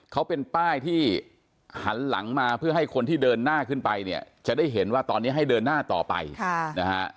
เขาเป็นป้ายที่หันหลังมาเพื่อให้คนที่เดินหน้าขึ้นไปเนี่ยจะได้เห็นว่าตอนนี้ให้เดินหน้าต่อไปนะฮะ